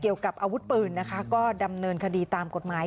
เกี่ยวกับอาวุธปืนนะคะก็ดำเนินคดีตามกฎหมาย